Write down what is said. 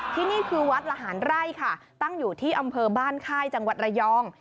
ที่นี่คือวัดละหารไร่ค่ะตั้งอยู่ที่อำเภอบ้านค่ายจังหวัดระยอง